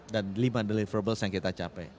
dan lima deliverables yang kita capai